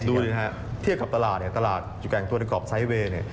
ดูดินะครับเทียบกับตลาดตลาดอยู่แก่งตัวในกรอบไซด์เวย์